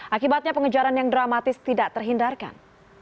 akibatnya pengejaran yang dramatis tidak terhindarkan